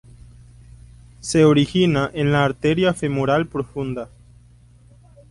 Se origina en la arteria femoral profunda.